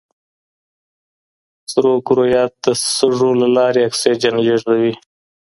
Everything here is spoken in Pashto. سرو کرویات د سږو له لارې اکسیجن لېږدوي.